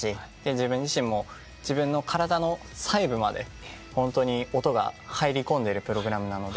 自分自身も自分の体の細部までホントに音が入りこんでるプログラムなので。